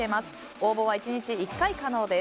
応募は１日１回可能です。